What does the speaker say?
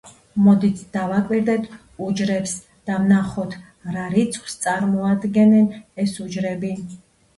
მოდით დავაკვირდეთ უჯრებს და ვნახოთ რა რიცხვს წარმოადგენენ ეს უჯრები.